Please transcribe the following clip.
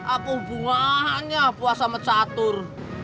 apa hubungannya buah sama catur